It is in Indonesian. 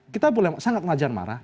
kita boleh sangat wajar marah